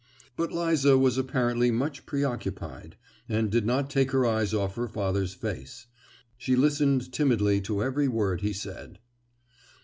But Liza was apparently much preoccupied, and did not take her eyes off her father's face; she listened timidly to every word he said.